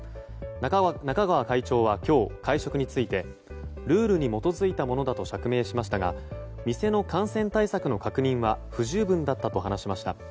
中川会長は今日、会食についてルールに基づいたものだと釈明しましたが店の感染対策の確認は不十分だったと説明しました。